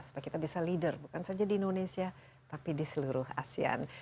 supaya kita bisa leader bukan saja di indonesia tapi di seluruh asean